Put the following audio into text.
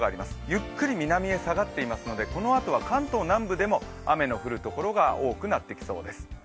ゆっくり南へ下がっていますのでこのあとは関東南部でも雨の降るところが多くなってきそうです。